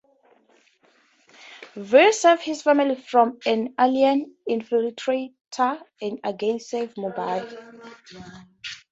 Veer saves his family from an alien infiltrator and again saves Mumbai.